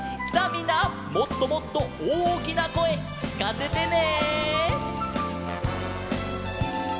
みんなもっともっとおおきなこえきかせてね！